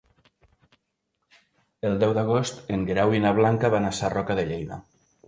El deu d'agost en Guerau i na Blanca van a Sarroca de Lleida.